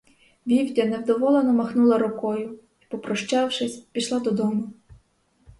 Вівдя невдоволено махнула рукою й, попрощавшись, пішла додому.